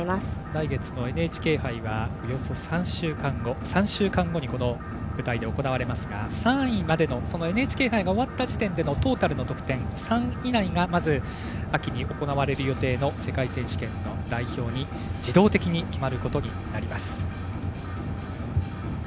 来月のＮＨＫ杯はおよそ３週間後にこの舞台で行われますが３位までのＮＨＫ杯が終わった時点でのトータルの得点、３位以内がまず、秋に行われる予定の世界選手権の代表に自動的に決まることになります。